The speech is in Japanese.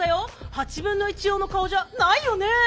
８分の１用の顔じゃないよね。